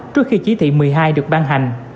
trước khi chỉ thị một mươi hai được ban hành